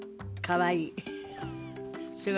かわいい。